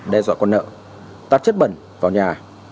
đe dọa con nợ tắt chất bẩn vào nhà